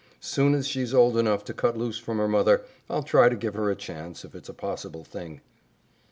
Soon as she's old enough to cut loose from her mother, I'll try to give her a chance, if it's a possible thing."